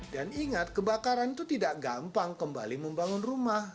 dan ingat kebakaran itu tidak gampang kembali membangun rumah